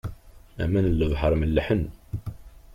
Aman n lebḥer mellḥen.